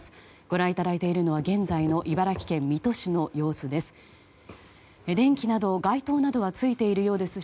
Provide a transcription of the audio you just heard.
ご覧いただいているのは現在の茨城県水戸市の様子です。